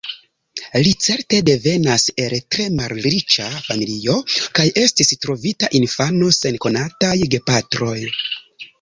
Li certe devenas el tre malriĉa familio, kaj estis trovita infano sen konataj gepatroj.